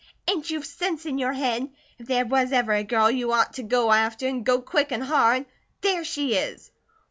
Ain't you sense in your head? If there was ever a girl you ort to go after, and go quick an' hard, there she is!"